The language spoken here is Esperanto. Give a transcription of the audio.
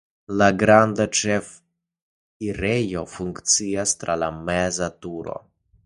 La granda ĉefenirejo funkcias tra la meza turo.